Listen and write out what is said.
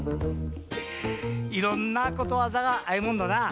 いろんなことわざがあるもんだなぁ。